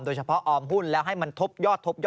โดยเฉพาะอออมหุ้นแล้วให้มันทบยอดแล้ว